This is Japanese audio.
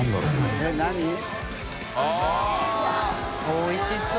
おいしそう。